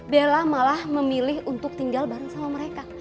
bella malah memilih untuk tinggal bareng sama mereka